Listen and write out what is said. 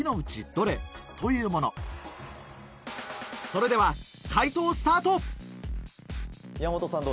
それでは解答スタート山本さん